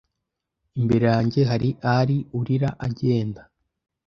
Imbere yanjye hari Ali urira agenda